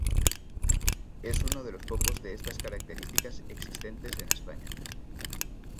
Es uno de los pocos de estas características existentes en España.